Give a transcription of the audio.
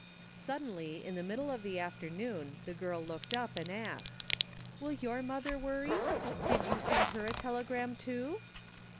Suddenly, in the middle of the afternoon the girl looked up and asked :" Will your mother worry? Did you send her a telegram, too?